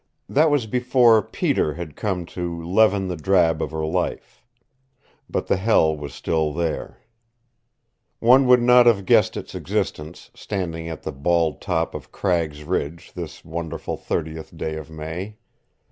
That was before Peter had come to leaven the drab of her life. But the hell was still there. One would not have guessed its existence, standing at the bald top of Cragg's Ridge this wonderful thirtieth day of May.